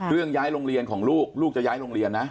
ย้ายโรงเรียนของลูกลูกจะย้ายโรงเรียนนะ